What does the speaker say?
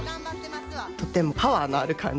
とてもパワーのある感じ。